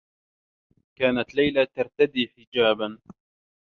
كانت ليلى ترتدي حجابا.